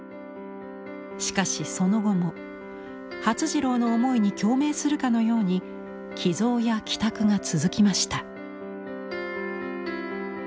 しかしその後も發次郎の思いに共鳴するかのように寄贈や寄託が続きました。